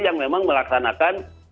yang memang melaksanakan